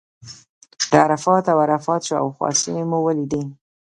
د عرفات او عرفات شاوخوا سیمې مو ولیدې.